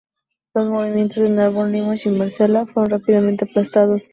Los movimientos en Narbonne, Limoges y Marsella fueron rápidamente aplastados.